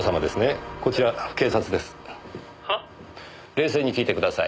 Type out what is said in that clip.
冷静に聞いてください。